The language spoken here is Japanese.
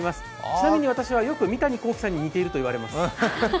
ちなみに私はよく三谷幸喜さんに似ているといわれます。